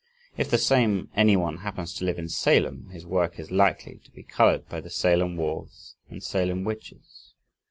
If the same anyone happens to live in Salem, his work is likely to be colored by the Salem wharves and Salem witches.